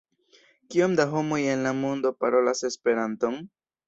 Kiom da homoj en la mondo parolas Esperanton?